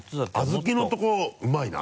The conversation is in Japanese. あずきのとこうまいな。